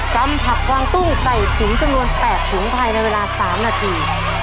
ำผักวางตุ้งใส่ถุงจำนวน๘ถุงภายในเวลา๓นาที